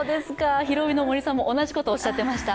「ひるおび！」の森さんも同じことをおっしゃっていました。